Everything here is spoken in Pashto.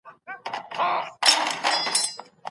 هغوی په ډېر شوق کتابونه لوستل.